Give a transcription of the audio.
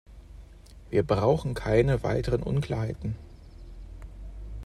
Wir brauchen keine weiteren Unklarheiten.